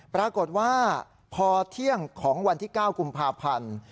ปรากฏว่าพอเที่ยงของวันที่๙กุมภาพันธ์